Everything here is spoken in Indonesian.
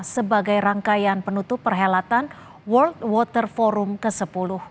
sebagai rangkaian penutup perhelatan world water forum ke sepuluh